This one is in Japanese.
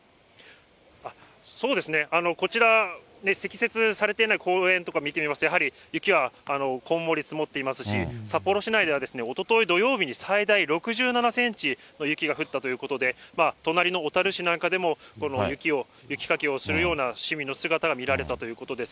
そうですね、こちら、積雪されていない公園とか見てみますと、やはり雪がこんもり積もっていますし、札幌市内ではおととい土曜日に最大６７センチの雪が降ったということで、隣の小樽市なんかでも、この雪を、雪かきをするような市民の姿が見られたということです。